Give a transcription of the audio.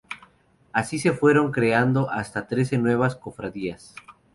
Así se fueron creando hasta trece nuevas cofradías.